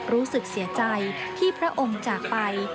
รู้สึกเสียใจที่พระองค์จากไป